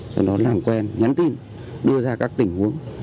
sau đó làm quen nhắn tin đưa ra các tình huống